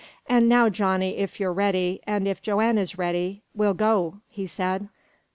"An' now, Johnny, if you're ready, an' if Joanne is ready, we'll go," he said.